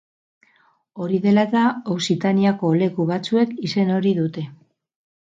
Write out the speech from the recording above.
Hori dela eta Okzitaniako leku batzuek izen hori dute.